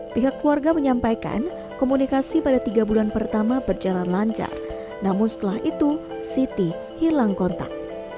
pihak keluarga menyampaikan komunikasi pada tiga bulan pertama berjalan lancar namun setelah itu siti hilang kontak